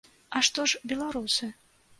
А што ж беларусы?